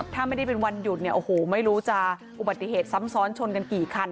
ถ้าไม่ได้เป็นวันหยุดเนี่ยโอ้โหไม่รู้จะอุบัติเหตุซ้ำซ้อนชนกันกี่คัน